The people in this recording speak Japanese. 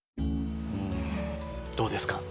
どうですか？